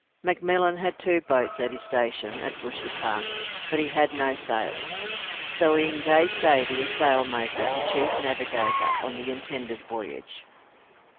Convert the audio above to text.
McMillan had two boats at his station at Bushy Park, but he had no sails, so he engaged Davy as sailmaker and chief navigator on the intended voyage.